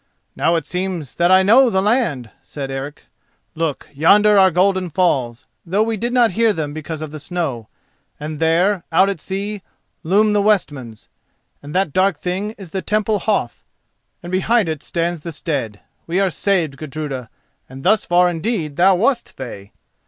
"Now it seems that I know the land," said Eric. "Look: yonder are Golden Falls, though we did not hear them because of the snow; and there, out at sea, loom the Westmans; and that dark thing is the Temple Hof, and behind it stands the stead. We are saved, Gudruda, and thus far indeed thou wast fey.